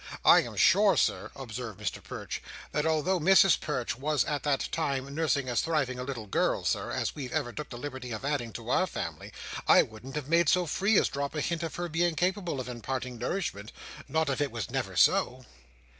I am sure, Sir," observed Mr Perch, "that although Mrs Perch was at that time nursing as thriving a little girl, Sir, as we've ever took the liberty of adding to our family, I wouldn't have made so free as drop a hint of her being capable of imparting nourishment, not if it was never so!"